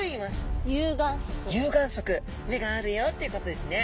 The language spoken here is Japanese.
有眼側目があるよっていうことですね。